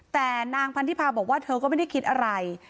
แต่นางพันธิพาบอกว่าเธอก็ไม่ได้คิดอะไร